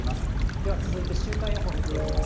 では続いて週間予報見ていきます。